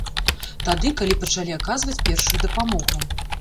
Тады, калі пачалі аказваць першую дапамогу.